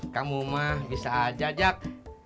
kamu mah bisa aja jak